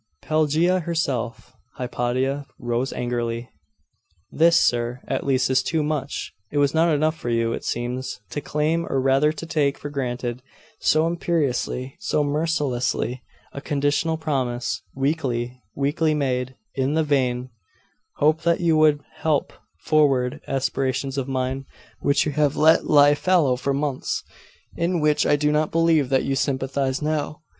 'Pelagia herself!' Hypatia rose angrily. 'This, sir, at least, is too much! It was not enough for you, it seems, to claim, or rather to take for granted, so imperiously, so mercilessly, a conditional promise weakly, weakly made, in the vain hope that you would help forward aspirations of mine which you have let lie fallow for months in which I do not believe that you sympathise now!